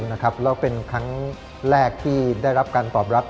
แล้วเป็นครั้งแรกที่ได้รับการตอบรับ